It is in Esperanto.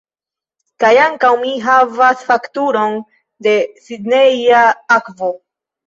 Kaj ankaŭ mi havas fakturon de Sidneja Akvo.